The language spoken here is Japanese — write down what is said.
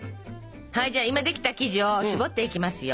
はいじゃあ今できた生地をしぼっていきますよ。